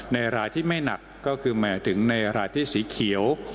ในรายที่ไม่หนักก็คือในรายที่สีเขียว